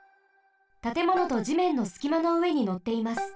たてものとじめんのすきまのうえにのっています。